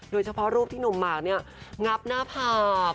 โดยเฉพาะรูปที่หนุ่มหมากเนี่ยงับหน้าผาก